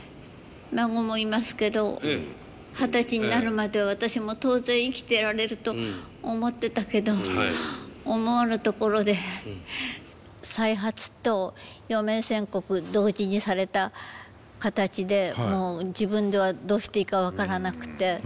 孫もいますけど二十歳になるまでは私も当然生きてられると思ってたけど思わぬところで再発と余命宣告同時にされた形でもう自分ではどうしていいか分からなくて。